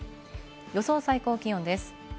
予想最高気温です。